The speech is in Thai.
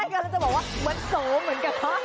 ก็จะบอกว่าเหมือนโสมเหมือนกัน